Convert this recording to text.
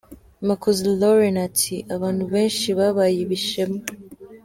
Makuza Lauren ati ”Abantu benshi babaye ibishema.